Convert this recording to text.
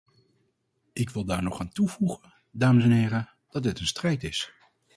Ik wil daar nog aan toevoegen, dames en heren, dat dit een strijd is.